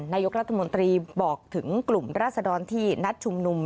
นายกรัฐมนตรีบอกถึงกลุ่มราศดรที่นัดชุมนุม